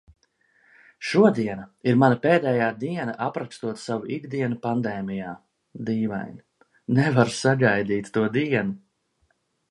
Šodiena ir mana pēdējā diena aprakstot savu ikdienu pandēmijā... dīvaini. Nevaru sagaidīt to dienu.